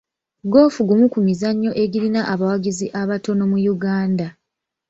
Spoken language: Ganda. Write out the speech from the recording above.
Goofu gumu ku mizannyo egirina abawagizi abatono mu Uganda.